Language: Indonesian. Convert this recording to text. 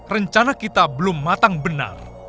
rencana kita belum matang benar